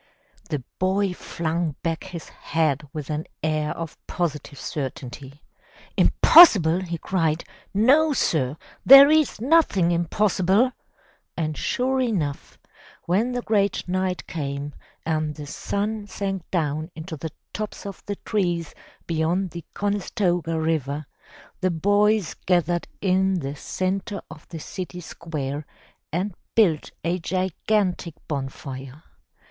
The boy flung back his head with an air of positive certainty. "Impossible!" he cried. "No sir! There is nothing impossible!" And sure enough! When the great night came, and the sim sank down into the tops of the trees beyond the Conestoga 398 THE TREASURE CHEST River, the boys gathered in the center of the city square and built a gigantic bon fire.